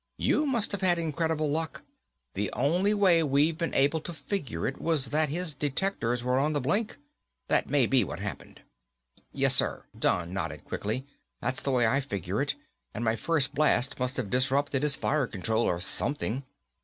"You must have had incredible luck. The only way we've been able to figure it was that his detectors were on the blink. That may be what happened." "Yes, sir," Don nodded quickly. "That's the way I figure it. And my first blast must have disrupted his fire control or something."